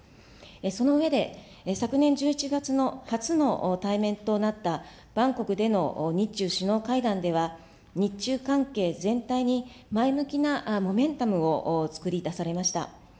その上で、昨年１１月の初の対面となったバンコクでの日中首脳会談では、日中関係全体に前向きなモメンタムを作り出されました。